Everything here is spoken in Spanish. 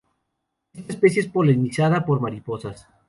Esta especie es polinizada por mariposas.